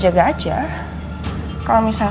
kamu ngapain lagi ketemuan sama dia